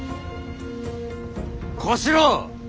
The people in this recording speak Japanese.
小四郎。